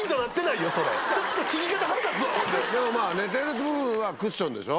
でもまぁ寝てる部分はクッションでしょ。